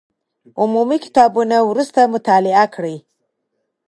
عمومي کتابونه وروسته مطالعه کړئ.